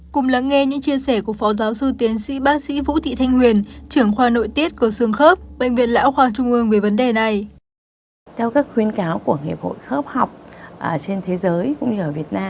cùng lắng nghe những chia sẻ của phó giáo sư tiến sĩ bác sĩ vũ thị thanh huyền